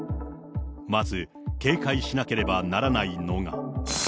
まず警戒しなければならないのが。